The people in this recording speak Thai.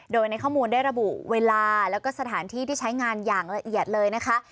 โดยในข้อมูลได้ระบุเวลาแล้วก็สถานที่ที่ใช้งานอย่างละเอียดเลยนะคะ